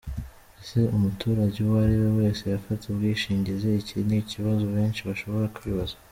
Ese umuturage uwo ariwe wese yafata ubwishingizi? Iki ni ikibazo benshi bashobora kwibaza.